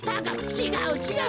ちがうちがう！